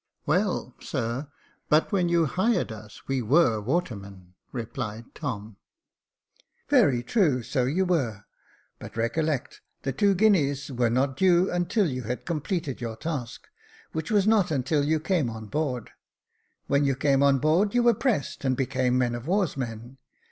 "Well, sir, but when you hired us we were watermen," replied Tom. Jacob Faithful 351 " Very true, so you were ; but recollect the two guineas were not due until you had completed your task, which was not until you came on board. When you came on board you were pressed, and became men of war's men.